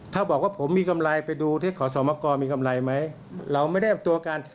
ถ้าบอกว่าผมมีกำไรไปดูที่ขอสมกรมีกำไรไหมเราไม่ได้รับตัวกัน